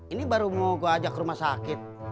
ini baru mau gue ajak rumah sakit